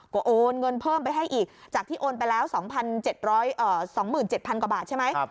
ก็โอนเงินเพิ่มไปให้อีกจากที่โอนไปแล้ว๒๗๐๐กว่าบาทใช่ไหม